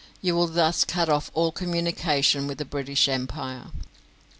You will thus cut off all communication with the British Empire.